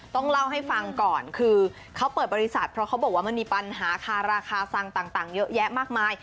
ต้องเล่าให้ฟังก่อนคือเขาเปิดบริษัทเพราะเขาบอกว่ามันมีปัญหาคาราคาซังต่างเยอะแยะมากมาย